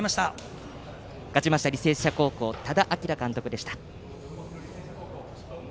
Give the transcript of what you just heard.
勝ちました履正社高校多田晃監督でした。